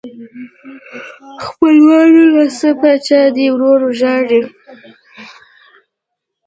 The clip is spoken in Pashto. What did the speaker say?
خپلوانو لا څه پاچا دې ورور ژاړي.